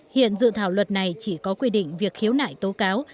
hiện dự thảo luật này chỉ có quy định việc khiếu nại tố cáo